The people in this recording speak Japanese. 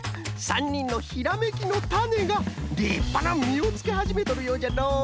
３にんのひらめきのタネがりっぱなみをつけはじめとるようじゃのう。